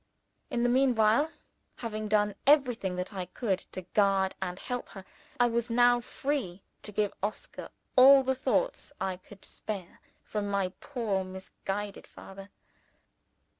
In the meanwhile, having done everything that I could to guard and help her, I was now free to give to Oscar all the thoughts that I could spare from my poor misguided father.